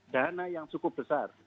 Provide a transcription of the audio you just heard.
dana yang cukup besar